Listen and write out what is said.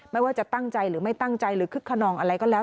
ไม่ว่าจะตั้งใจหรือไม่ตั้งใจหรือคึกขนองอะไรก็แล้ว